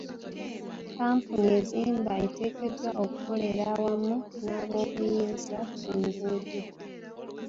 Kampuni ezimba eteekeddwa okukolera awamu n'abobuyinza ku nguudo.